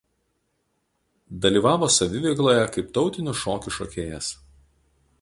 Dalyvavo saviveikloje kaip tautinių šokių šokėjas.